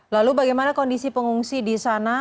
lalu bagaimana kondisi pengungsi di sana